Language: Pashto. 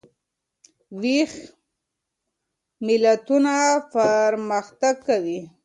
ویښ ملتونه پرمختګ کوي.